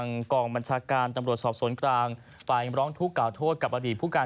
ยังกล่องบัญชาการตำรวจสวนกลางฝ่ายทุกข์กล่าวโทษกับอดีตผู้การ